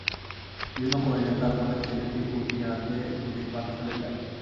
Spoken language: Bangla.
দিদিমা কহিলেন, তার পরে ছেলেটি পুঁথি হাতে প্রতিদিন পাঠশালে যায়।